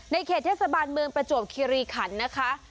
เขตเทศบาลเมืองประจวบคิริขันนะคะ